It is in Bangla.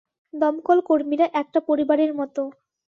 দমকল কর্মীরা একটা পরিবারের মত।